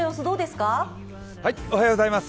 おはようございます。